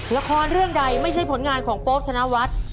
ละครเรื่องใดไม่ใช่ผลงานของโป๊บธนวัฒน์